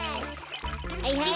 はいはい。